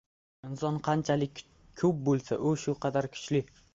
Inson qanchalik ko‘p bilsa, u shu qadar kuchli.